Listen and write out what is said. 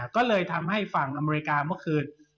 ก็เลยทำให้ฝั่งอเมริกาเมื่อคืน